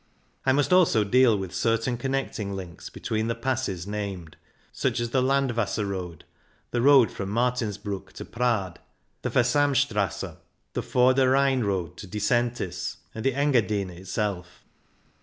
I must also deal with certain connecting links between the passes named, such as the Landwasser road, the road from Martinsbruck to Prad, the Versamstrasse, the Vorder Rhein road to Disentis, and the Engadine itself.